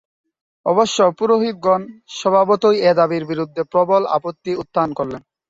অবশ্য পুরোহিতগণ স্বভাবতই এ দাবীর বিরুদ্ধে প্রবল আপত্তি উত্থাপন করলেন।